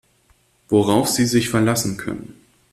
Worauf Sie sich verlassen können.